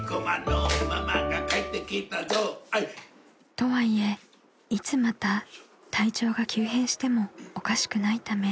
［とはいえいつまた体調が急変してもおかしくないため］